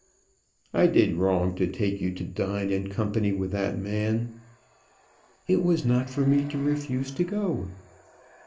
"I did wrong to take you to dine in company with that man." "It was not for me to refuse to go."